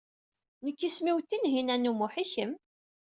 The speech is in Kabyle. Nekk isem-iw Tinhinan u Muḥ, i kemm?